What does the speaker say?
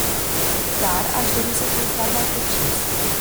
Dar, aș dori să fiu chiar mai precis.